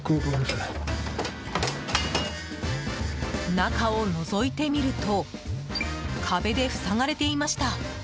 中をのぞいてみると壁で塞がれていました。